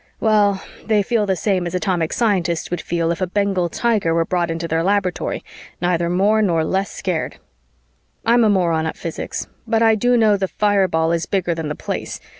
Well, they feel the same as atomic scientists would feel if a Bengal tiger were brought into their laboratory, neither more nor less scared. I'm a moron at physics, but I do know the Fireball is bigger than the Place.